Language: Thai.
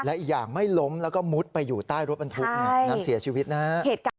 และอีกอย่างไม่ล้มแล้วก็มุดไปอยู่ใต้รถบรรทุกนั้นเสียชีวิตนะฮะ